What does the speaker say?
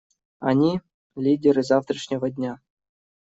Они — лидеры завтрашнего дня.